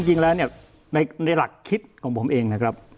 จริงแล้วเนี่ยในหลักคิดของผมเองนะครับ